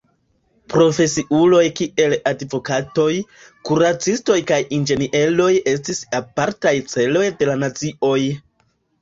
Profesiuloj kiel advokatoj, kuracistoj kaj inĝenieroj estis apartaj celoj de la nazioj.